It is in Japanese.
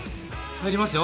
入りますよ。